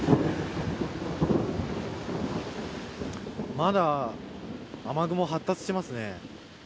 まだ雨雲、発達していますね。